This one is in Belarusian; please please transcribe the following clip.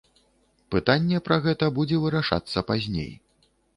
Пытанне пра гэта будзе вырашацца пазней.